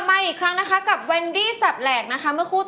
เมื่อคู่ต่อไปแวนดี้สับแหลกนะคะเมื่อคู่ต่อไป